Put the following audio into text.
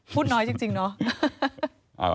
พูดน้อยจริงเนาะ